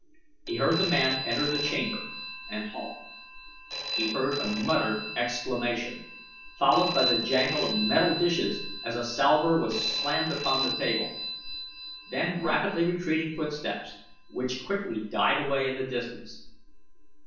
He heard the man enter the chamber and halt. He heard a muttered exclamation, followed by the jangle of metal dishes as a salver was slammed upon a table; then rapidly retreating footsteps, which quickly died away in the distance.